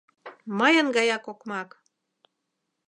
Мыйын гаяк окмак!